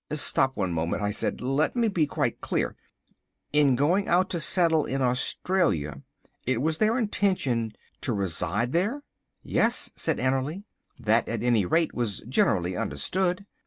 "Stop one moment," I said, "and let me be quite clear—in going out to settle in Australia it was their intention to reside there?" "Yes," said Annerly, "that at any rate was generally understood.